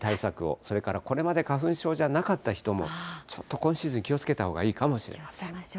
それからこれまで花粉症じゃなかった人も、ちょっと今シーズン、気をつけたほうがいいかもしれません。